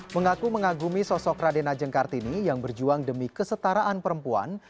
mengaku mengagumi sosok radena jengkartini yang berjuang demi kesetaraan perempuan